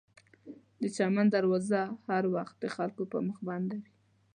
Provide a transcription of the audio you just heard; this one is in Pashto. د چمن دروازه هر وخت د خلکو پر مخ بنده وي.